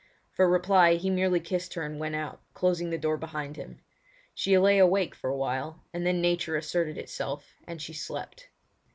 For reply he merely kissed her and went out, closing the door behind him. She lay awake for awhile, and then nature asserted itself, and she slept.